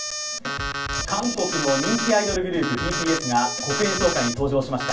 韓国の人気アイドルグループＢＴＳが国連総会に登場しました。